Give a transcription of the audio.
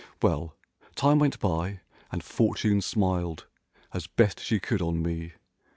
Well, time went by and Fortune smiled As best she could on me.